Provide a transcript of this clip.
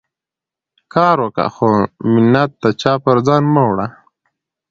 کار وکه، خو مینت د چا پر ځان مه وړه.